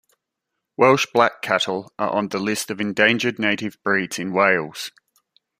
Welsh Black cattle are on the list of endangered native breeds in Wales.